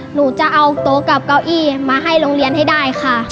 หนูจะเอาโต๊ะกับเก้าอี้มาให้โรงเรียนให้ได้ค่ะ